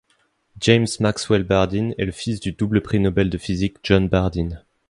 James Maxwell Bardeen est le fils du double prix Nobel de physique John Bardeen.